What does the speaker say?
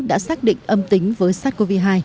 đã xác định âm tính với sars cov hai